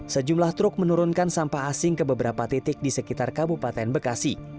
sejumlah truk menurunkan sampah asing ke beberapa titik di sekitar kabupaten bekasi